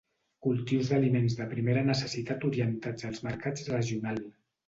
Cultius d’aliments de primera necessitat orientats als mercats regional.